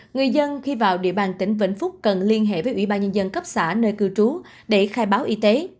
người dân khi vào địa bàn tỉnh vĩnh phúc cần liên hệ với ủy ban nhân dân cấp xã nơi cư trú để khai báo y tế